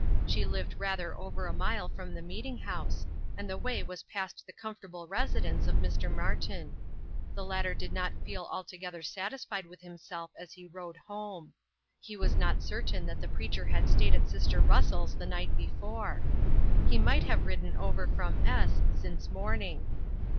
She lived rather over a mile from the meeting house and the way was past the comfortable residence of Mr. Martin. The latter did not feel altogether satisfied with himself as he rode home. He was not certain that the preacher had stayed at sister Russell's the night before. He might have ridden over from S since morning.